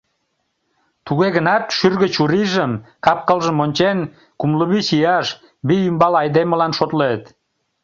Туге гынат шӱргӧ чурийжым, кап-кылжым ончен, кумло вич ияш, вий ӱмбал айдемылан шотлет.